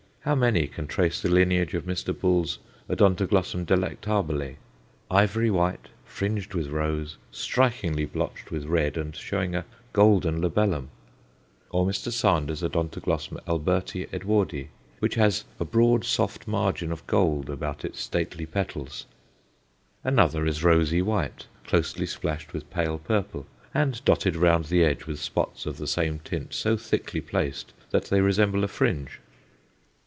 How many can trace the lineage of Mr. Bull's Od. delectabile ivory white, tinged with rose, strikingly blotched with red and showing a golden labellum? or Mr. Sander's Od. Alberti Edwardi, which has a broad soft margin of gold about its stately petals? Another is rosy white, closely splashed with pale purple, and dotted round the edge with spots of the same tint so thickly placed that they resemble a fringe.